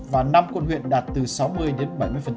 và năm quận huyện đạt từ sáu mươi đến bảy mươi